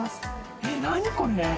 えっ何これ？